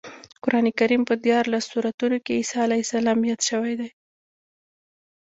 د قرانکریم په دیارلس سورتونو کې عیسی علیه السلام یاد شوی دی.